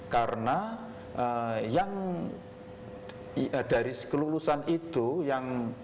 karena yang dari kelulusan itu yang